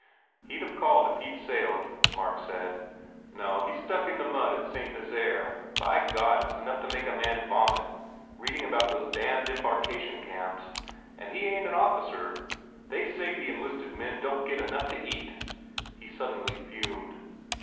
"He d have cabled if he d sailed," Mark said, "No, he s still stuck in the mud at Saint Nazairc. By God, it s enough to make a man vomit, read ing about those damned embarkation camps! And he ain t an officer. They say the enlisted men don t even get enough to eat!" He sud denly fumed.